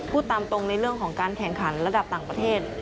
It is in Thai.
พูดตามตรงในเรื่องของการแข่งขันระดับต่างประเทศ